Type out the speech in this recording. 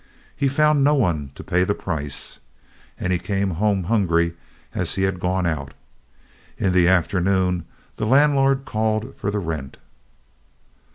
He found no one to pay the price, and he came home hungry as he had gone out. In the afternoon the landlord called for the rent.